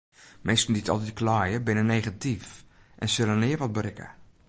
Minsken dy't altyd kleie binne negatyf en sille nea wat berikke.